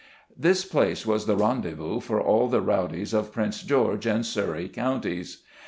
This place was the rendezvous for all the rowdies of Prince George and Surrey Counties.